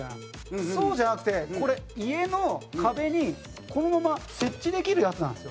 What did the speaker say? そうじゃなくて、これ家の壁に、このまま設置できるやつなんですよ。